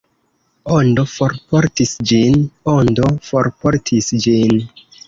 Ondo forportis ĝin, Ondo forportis ĝin.